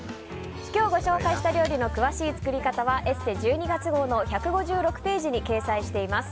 今日ご紹介した料理の詳しい作り方は「ＥＳＳＥ」１２月号の１５６ページに掲載しています。